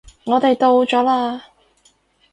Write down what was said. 我哋到咗喇